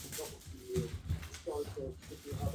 সমস্ত মন যেন ওর ফুটে উঠেছে এতে।